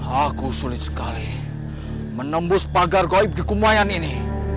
aku sulit sekali menembus pagar goib di kumayan ini